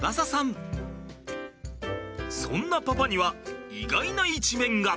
そんなパパには意外な一面が。